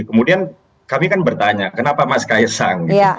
kemudian kami kan bertanya kenapa mas ks sang